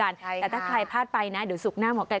มาให้หมอไก่ได้ดูกันแต่ถ้าใครพลาดไปนะเดี๋ยวสุขหน้าหมอไก่